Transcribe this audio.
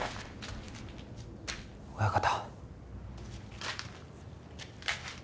親方。